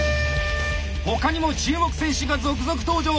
他にも注目選手が続々登場！